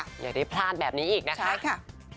อย่าได้พลาดแบบนี้อีกนะค่ะ